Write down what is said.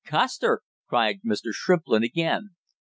"Custer!" cried Mr. Shrimplin again.